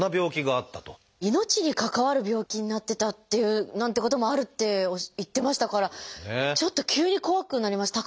命に関わる病気になってたなんてこともあるって言ってましたからちょっと急に怖くなりました。